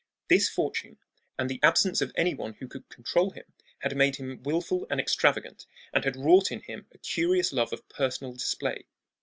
This fortune and the absence of any one who could control him had made him wilful and extravagant and had wrought in him a curious love of personal display.